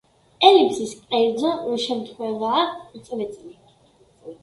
ელიფსის კერძო შემთხვევაა წრეწირი.